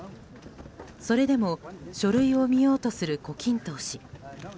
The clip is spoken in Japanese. それでも書類を見ようとする胡錦涛氏。